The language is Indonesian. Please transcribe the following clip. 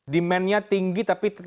demand nya tinggi tapi